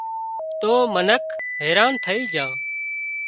تو منک حيران ٿئي جھان